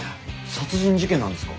殺人事件なんですか？